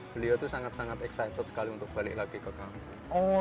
beliau itu sangat sangat excited sekali untuk balik lagi ke kampung